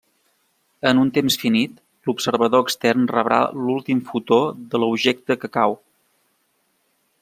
En un temps finit, l'observador extern rebrà l'últim fotó de l'objecte que cau.